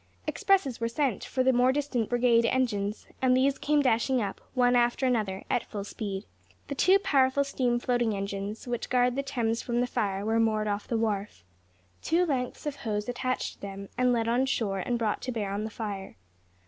Expresses were sent for the more distant brigade engines, and these came dashing up, one after another, at full speed. The two powerful steam floating engines which guard the Thames from fire were moored off the wharf, two lengths of hose attached to them, and led on shore and brought to bear on the fire.